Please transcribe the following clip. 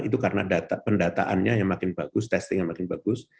itu karena pendataannya yang makin bagus testingnya makin bagus